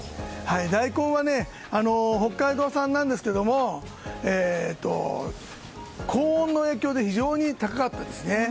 大根は北海道産なんですが高温の影響で非常に高かったですね。